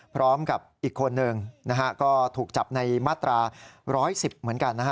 พร้อมกับอีกคนหนึ่งก็ถูกจับในมาตรา๑๑๐เหมือนกัน